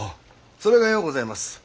それがようございます。